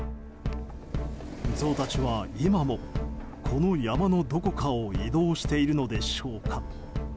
ゾウたちは今もこの山のどこかを移動しているのでしょうか。